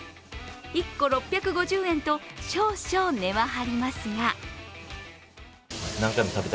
１個６５０円と少々値は張りますが。